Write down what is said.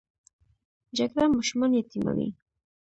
جګړه ماشومان یتیموي